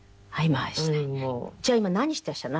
じゃあ今何してらっしゃるの？